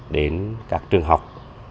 đến các trường học